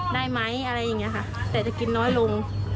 ได้ไหมอะไรอย่างนี้ค่ะแต่จะกินน้อยลง